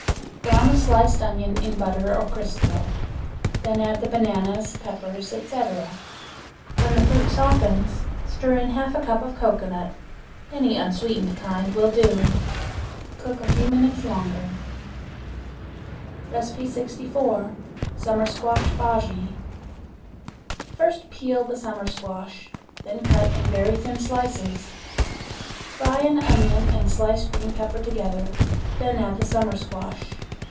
Brown a sliced onion in butter or crisco. Then add the bananas, peppers, etc. When the fruit softens stir in half a cup of cocoanut; any unsweetened kind will do. Cook a few minutes longer. 64. Summer Squash Bujea. First peel the summer squash. Then cut in very thin slices. Fry an onion and sliced green pepper together; then add the summer squash.